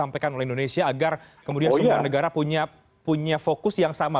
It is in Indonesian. sampaikan oleh indonesia agar kemudian semua negara punya fokus yang sama